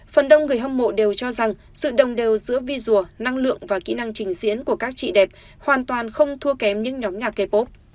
phần đông người hâm mộ đều cho rằng sự đồng đều giữa visual năng lượng và kỹ năng trình diễn của các chị đẹp hoàn toàn không thua kém những nhóm nhạc k pop